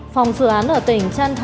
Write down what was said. phòng sự án ở tỉnh trang trí